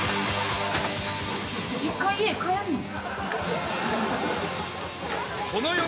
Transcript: １回家帰んの？